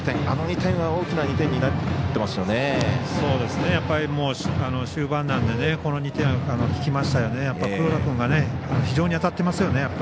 あの２点は大きな２点になってますよね。